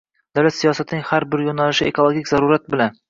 davlat siyosatining har bir yo‘nalishi ekologik zarurat bilan